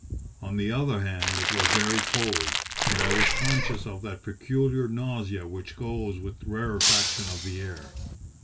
On the other hand, it was very cold, and I was conscious of that peculiar nausea which goes with rarefaction of the air.